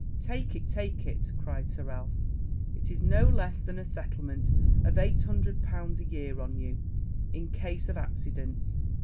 'Take it, take it!' cried Sir Ralph; 'it is no less than a settlement of eight hundred pounds a year on you in case of accidents.'